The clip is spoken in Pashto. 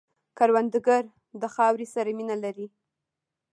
کروندګر د خاورې سره مینه لري